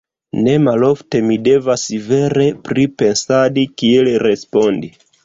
Ne malofte mi devas vere pripensadi, kiel respondi.